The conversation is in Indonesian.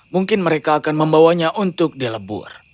mungkin mereka akan membawanya untuk di lebur